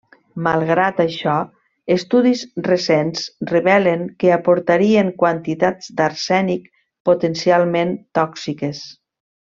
Malgrat això, estudis recents revelen que aportarien quantitats d'arsènic potencialment tòxiques.